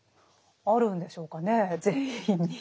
あるんでしょうかね全員に。